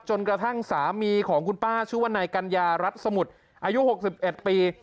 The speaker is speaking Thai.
จนกระทั่งสามีของคุณป้าชื่อว่านายกัญญารัฐสมุทรอายุ๖๑ปี